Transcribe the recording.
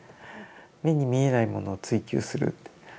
目に見えないものを追求するって。